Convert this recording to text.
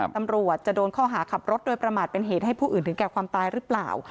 ตำรวจจะโดนข้อหาขับรถโดยประมาทเป็นเหตุให้ผู้อื่นถึงแก่ความตายหรือเปล่า